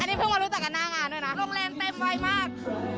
นี่เพิ่งมารู้จักกันหน้างานด้วยนะโรงแรมเต็มวัยมาก